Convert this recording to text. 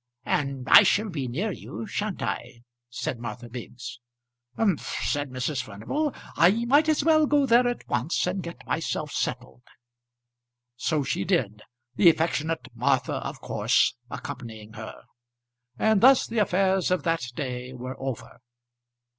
"And I shall be near you; sha'n't I?" said Martha Biggs. "Umph," said Mrs. Furnival. "I might as well go there at once and get myself settled." So she did, the affectionate Martha of course accompanying her; and thus the affairs of that day were over.